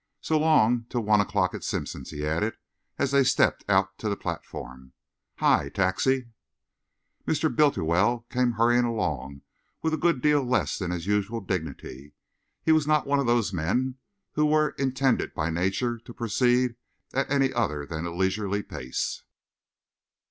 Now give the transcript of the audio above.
So long till one o'clock at Simpson's," he added, as they stepped out on to the platform. "Hi, taxi!" Mr. Bultiwell came hurrying along, with a good deal less than his usual dignity. He was not one of those men who were intended by nature to proceed at any other than a leisurely pace.